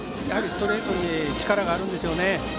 やはりストレートに力があるんですよね。